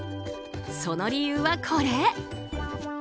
その理由は、これ。